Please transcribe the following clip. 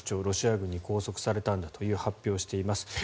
ロシア軍に拘束されたんだという発表をしています。